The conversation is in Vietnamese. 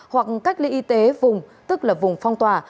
hoặc cách ly y tế vùng tức là vùng phong tỏa